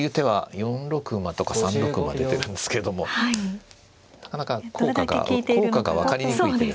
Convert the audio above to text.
４六馬とか出てるんですけれどもなかなか効果が分かりにくい手ですね。